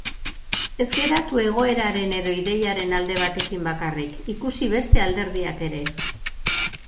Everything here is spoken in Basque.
Ez geratu egoeraren edo ideiaren alde batekin bakarrik, ikusi beste alderdiak ere.